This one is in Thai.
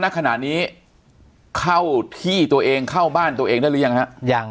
ณขณะนี้เข้าที่ตัวเองเข้าบ้านตัวเองได้หรือยังฮะยัง